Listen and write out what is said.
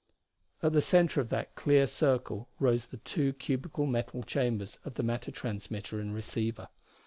At the center of that clear circle rose the two cubical metal chambers of the matter transmitter and receiver.